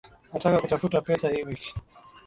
Nataka kutafuta pesa hii wiki